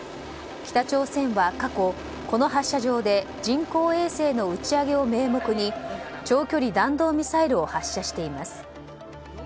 北朝鮮は過去この発射場で人工衛星の打ち上げを名目に長距離弾道ミサイルを発射しています。